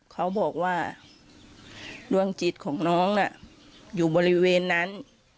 เขาบอกว่าดวงจิตของน้องน่ะอยู่บริเวณนั้น